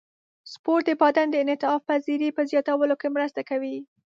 سپورت د بدن د انعطاف پذیرۍ په زیاتولو کې مرسته کوي.